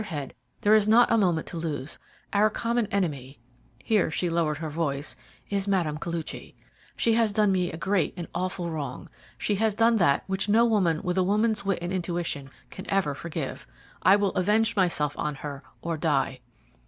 Head, there is not a moment to lose. Our common enemy" here she lowered her voice "is Mme. Koluchy. She has done me a great and awful wrong. She has done that which no woman with a woman's wit and intuition can ever forgive. I will avenge myself on her or die."